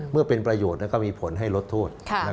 เมื่อเป็นประโยชน์ก็มีผลให้ลดโทษ